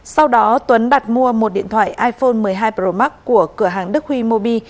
sau đó tuấn đặt mua một điện thoại iphone một mươi hai pro max của cửa hàng đức huy mobi